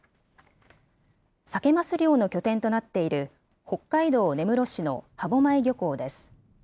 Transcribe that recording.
サケ・マス漁の拠点となっている北海道根室市の歯舞漁港です。